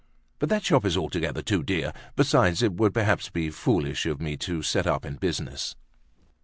But that shop is altogether too dear. Besides, it would perhaps be foolish of me to set up in business."